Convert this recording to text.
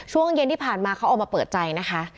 ช่วงเย็นที่ผ่านมาเขาออกมาเปิดใจนะคะ